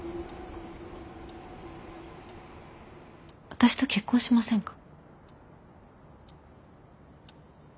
私と結婚しませんか。